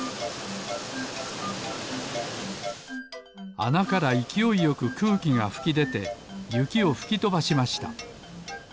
あなからいきおいよくくうきがふきでてゆきをふきとばしました。